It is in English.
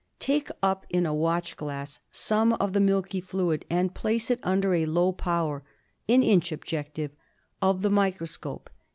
Take up in a watch glass some of the milky fluid and place it under a low power — an inch objective — of the microscope.